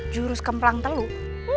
jurus kemplang teluk